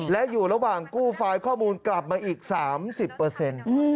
และอยู่ระหว่างกู้ไฟล์ข้อมูลกลับมาอีก๓๐เปอร์เซ็นต์